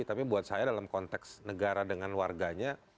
tapi buat saya dalam konteks negara dengan warganya